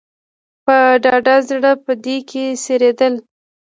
په ډاډه زړه به په کې څرېدل.